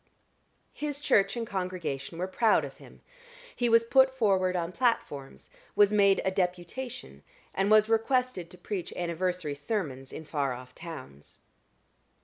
His church and congregation were proud of him: he was put forward on platforms, was made a "deputation," and was requested to preach anniversary sermons in far off towns.